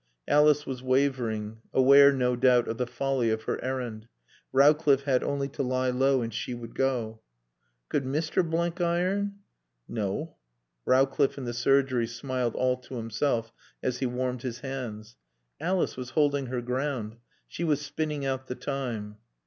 Alice was wavering, aware, no doubt, of the folly of her errand. Rowcliffe had only to lie low and she would go. "Could Mr. Blenkiron?" No. Rowcliffe in the surgery smiled all to himself as he warmed his hands. Alice was holding her ground. She was spinning out the time.